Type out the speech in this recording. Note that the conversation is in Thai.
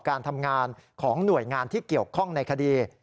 การทำงานของหน่วยงานที่เกี่ยวข้องในคดี